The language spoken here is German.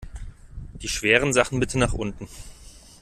Die schweren Sachen bitte nach unten!